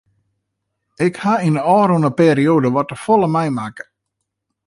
Ik ha yn de ôfrûne perioade wat te folle meimakke.